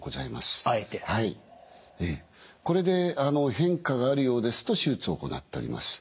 これで変化があるようですと手術を行っております。